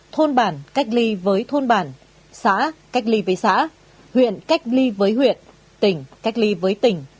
thôn bản cách ly với thôn bản xã cách ly với xã huyện cách ly với huyện tỉnh cách ly với tỉnh